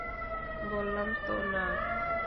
বললাম তো, না।